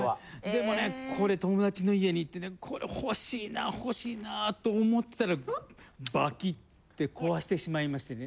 でもねこれ友達の家に行ってねこれ欲しいな欲しいなと思ってたらバキッて壊してしまいましてね。